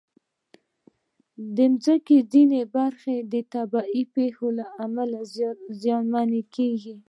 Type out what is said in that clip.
د مځکې ځینې برخې د طبعي پېښو له امله زیانمنېږي.